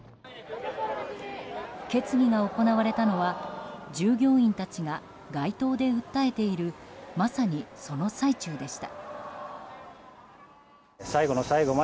決議が行われたのは従業員たちが街頭で訴えているまさに、その最中でした。